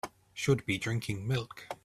Should be drinking milk.